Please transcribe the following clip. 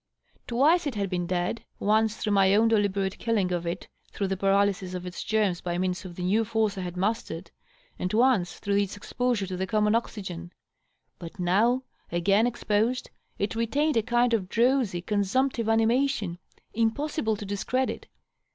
Twice it had been dead — once through my own deliberate killing of it through the paralysis of its germs by means of the new force I had mastered, and once through its exposure to the common oxygen. But now, again exposed, it re tained a kind of drowsy, consumptive animation, impossible to discredit.